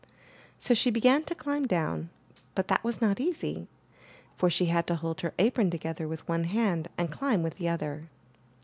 So she began to climb down, but that was not easy, for she had to hold her apron together with one hand and climb with the other.